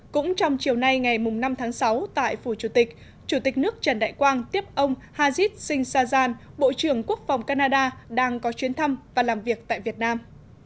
cũng trong chiều nay ngày năm tháng sáu tại phủ chủ tịch chủ tịch nước trần đại quang tiếp ông hajit singh sajjan bộ trưởng quốc phòng canada đang có chuyến thăm và làm việc tại việt nam